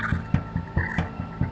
aku mau ke sana